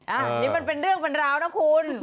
อันนี้มันเป็นเรื่องเป็นราวนะคุณ